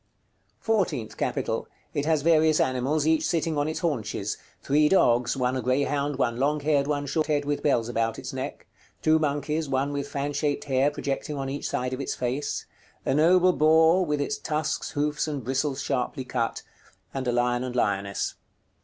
FOURTEENTH CAPITAL. It has various animals, each sitting on its haunches. Three dogs, one a greyhound, one long haired, one short haired with bells about its neck; two monkeys, one with fan shaped hair projecting on each side of its face; a noble boar, with its tusks, hoofs, and bristles sharply cut; and a lion and lioness.